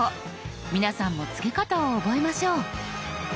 皆さんもつけ方を覚えましょう。